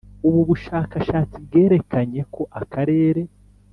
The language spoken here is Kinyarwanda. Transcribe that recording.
ububushakashatsi bwerekanye ko akarere